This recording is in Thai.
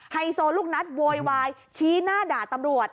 ไฮโซลูกนัดโวยวายชี้หน้าด่าตำรวจ